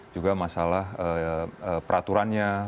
juga masalah peraturannya